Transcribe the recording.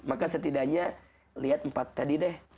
maka setidaknya lihat empat tadi deh